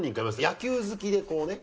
野球好きでこうね